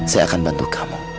saya akan bantu kamu